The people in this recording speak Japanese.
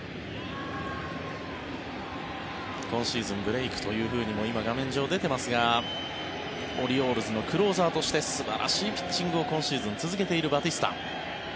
今シーズンブレークというふうにも今、画面上、出ていますがオリオールズのクローザーとして素晴らしいピッチングを今シーズン続けているバティスタ。